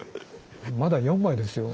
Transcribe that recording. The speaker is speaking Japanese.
まだ４枚ですよ。